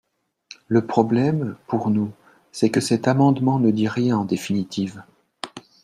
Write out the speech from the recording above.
Le problème, pour nous, c’est que cet amendement ne dit rien en définitive.